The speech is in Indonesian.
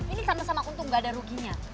ini karena sama untung gak ada ruginya